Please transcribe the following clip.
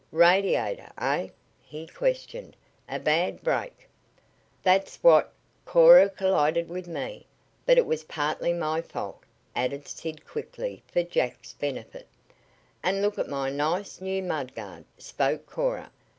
"Radiator, eh?" he questioned. "A bad break." "That's what. Cora collided with me but it was partly my fault," added Sid quickly for jack's benefit. "And look at my nice, new mud guard," spoke Cora.